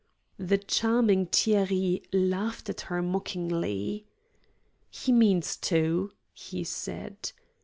The charming Thierry laughed at her mockingly. "He means to," he said.